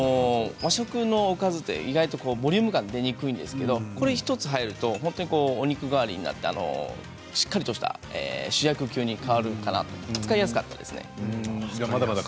和食のおかず、意外とボリューム感が出にくいんですがこれ１つあるとお肉代わりになってしっかりとした主役級に変わるかなと使いやすかったですね。